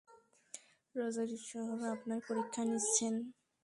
Roger, ঈশ্বর আপনার পরীক্ষা নিচ্ছেন!